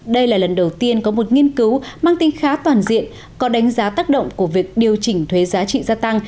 đây là lần đầu tiên có một nghiên cứu mang tính khá toàn diện có đánh giá tác động của việc điều chỉnh thuế giá trị gia tăng